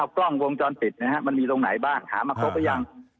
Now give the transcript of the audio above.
เอากล้องวงจรปิดนะครับมันมีตรงไหนบ้างหามาพบหรือยัง